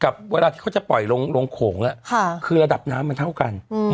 กับเวลาที่เขาจะปล่อยลงลงโขงอ่ะค่ะคือระดับน้ำมันเท่ากันอืม